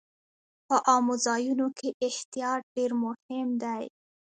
په عامو ځایونو کې احتیاط ډېر مهم دی.